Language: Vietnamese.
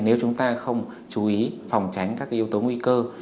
nếu chúng ta không chú ý phòng tránh các yếu tố nguy cơ